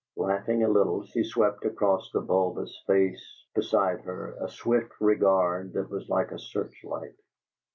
Laughing a little, she swept across the bulbous face beside her a swift regard that was like a search light.